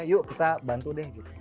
yuk kita bantu deh